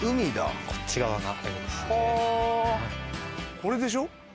これでしょ？